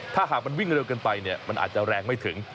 ถ้าหากมันวิ่งเร็วเกินไปเนี่ยมันอาจจะแรงไม่ถึง